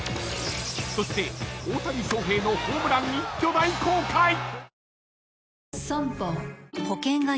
［そして大谷翔平のホームラン一挙大公開］